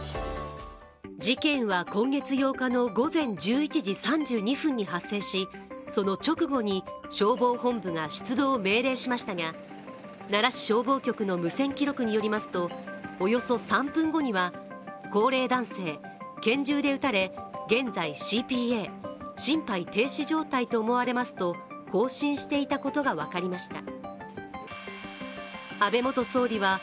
事件は今月８日の午前１１時３２分に発生しその直後に消防本部が出動を命令しましたが奈良市消防局の無線記録によりますとおよそ３分後には、高齢男性拳銃で撃たれ現在ＣＰＡ＝心肺停止状態と思われますと交信していたことが分かりました。